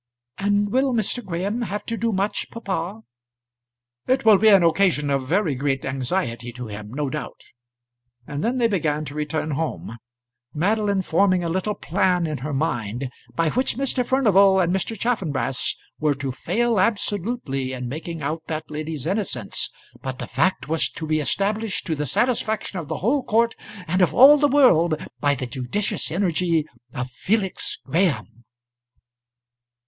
"And will Mr. Graham have to do much, papa?" "It will be an occasion of very great anxiety to him, no doubt." And then they began to return home, Madeline forming a little plan in her mind by which Mr. Furnival and Mr. Chaffanbrass were to fail absolutely in making out that lady's innocence, but the fact was to be established to the satisfaction of the whole court, and of all the world, by the judicious energy of Felix Graham.